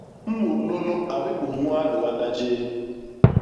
Mut nunu a bibus ñwaa liwanda jéé.